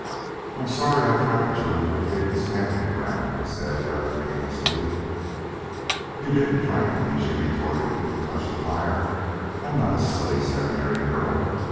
"I'm sorry I frightened you out of your favorite stamping ground," he said rather aimlessly. "You didn't frighten me," she retorted, with a touch of fire. "I'm not a silly seminary girl.